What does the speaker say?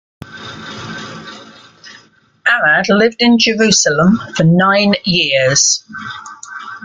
Arad lived in Jerusalem for nine years.